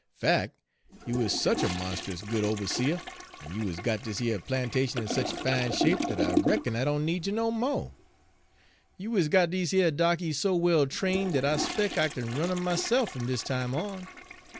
Fac', you is sech a monst'us good oberseah, en you is got dis yer plantation in sech fine shape, dat I reckon I doan need you no mo'. You is got dese yer darkies so well train' dat I 'spec' I kin run em' myse'f fum dis time on.